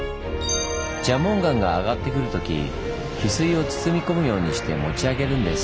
蛇紋岩が上がってくるときヒスイを包み込むようにして持ち上げるんです。